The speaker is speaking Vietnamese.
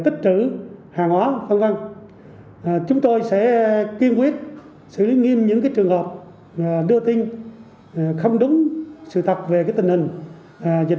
chúng tôi sẽ kiên quyết xử lý nghiêm những trường hợp đưa tin không đúng sự thật về tình hình dịch